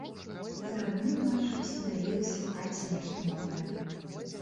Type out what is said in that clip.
За адну ноч устанавілася ў хаце нешта новае.